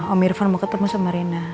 om irvan mau ketemu sama rena